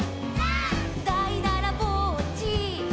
「」「だいだらぼっち」「」